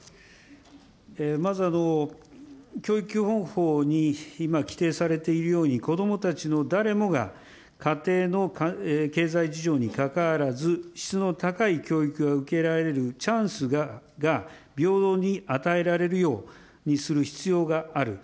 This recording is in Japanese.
まず、教育基本法に今、規定されているように、子どもたちの誰もが家庭の経済事情にかかわらず、質の高い教育が受けられるチャンスが平等に与えられるようにする必要がある。